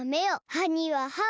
はにははを。